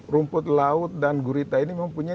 rumput laut dan gurita ini mempunyai